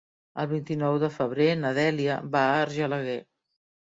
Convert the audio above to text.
El vint-i-nou de febrer na Dèlia va a Argelaguer.